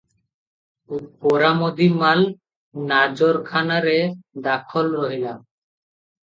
ବରାମଦି ମାଲ ନାଜରଖାନାରେ ଦାଖଲ ରହିଲା ।